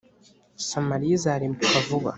Samariya izarimbuka vuba